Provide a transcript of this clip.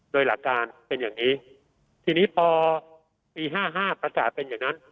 โดยหลักการเป็นอย่างนี้ทีนี้พอปีห้าห้าประกาศเป็นอย่างนั้น